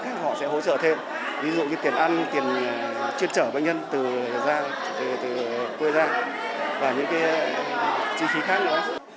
khác họ sẽ hỗ trợ thêm ví dụ như tiền ăn tiền chuyên trở bệnh nhân từ quê gia và những chi phí khác nữa